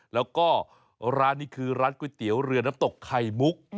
แล้วก็ร้านนี้คือร้านก๋วยเตี๋ยวเรือน้ำตกไข่มุก